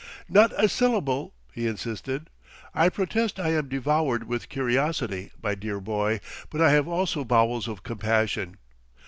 "Not a syllable," he insisted. "I protest I am devoured with curiosity, my dear boy, but I have also bowels of compassion.